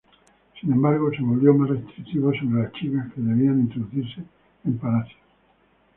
Sin embargo, se volvió más restrictivo sobre las chicas que debían introducirse en palacio.